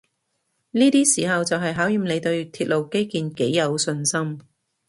呢啲時候就係考驗你對鐵路基建幾有信心